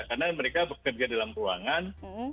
karena mereka bekerja dalam ruangan